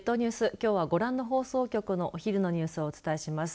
きょうはご覧の放送局のお昼のニュースをお伝えします。